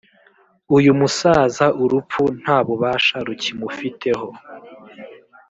uyumusaza urupfu nta bubasha rukimufiteho